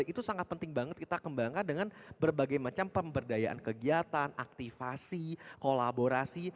itu sangat penting banget kita kembangkan dengan berbagai macam pemberdayaan kegiatan aktivasi kolaborasi